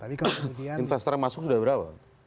investor yang masuk sudah berapa